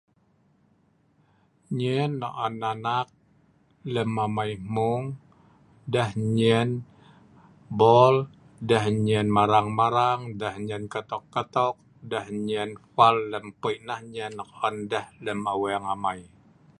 Nyien nok on anak lem amai hmung, deh nyen bol, deh nyien marang-marang, deh nyien katok-katok, deh nyien hfal lem peik, nah nyien nok on deh lem aweng amai.